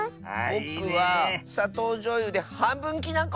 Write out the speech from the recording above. ぼくはさとうじょうゆではんぶんきなこ！